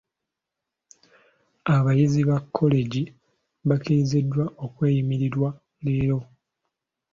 Abayizi ba kkolegi bakkiriziddwa okweyimirirwa leero.